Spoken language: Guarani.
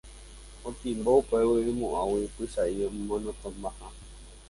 Otimbo upégui oimo'ãgui Pychãi omanotamaha.